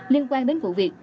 liên quan đến vụ việc